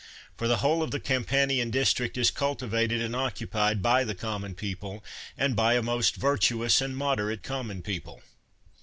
For the whole of the Campan ian district is cultivated and occupied by the com mon people, and by a most virtuous and moderate common people.